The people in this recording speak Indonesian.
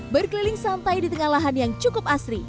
berkeliling santai di tengah lahan yang cukup asri